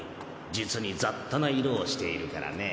実に雑多な色をしているからね